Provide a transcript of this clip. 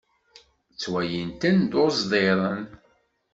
Ttwalin-ten d uẓdiren.